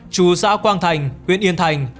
trú xã quang thành huyện yên thành